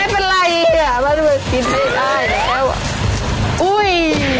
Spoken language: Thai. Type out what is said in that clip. ไม่เป็นไรมันกินไม่ได้